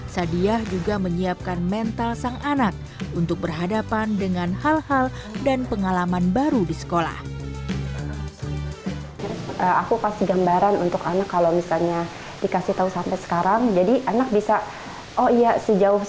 sadiah juga menyiapkan mental sang anak untuk berhadapan dengan hal hal dan pengalaman baru di sekolah